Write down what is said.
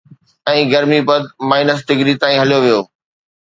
۽ گرمي پد minus degree تائين هليو ويو